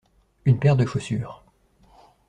Une paire de chaussures.